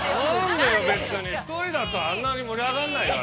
◆１人だったら、あんなに盛り上がんないよ。